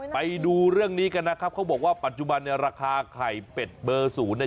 ไปดูเรื่องนี้กันนะครับเขาบอกว่าปัจจุบันเนี่ยราคาไข่เป็ดเบอร์ศูนย์เนี่ย